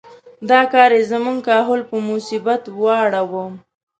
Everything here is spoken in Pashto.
دا کار یې زموږ کهول په مصیبت واړاوه.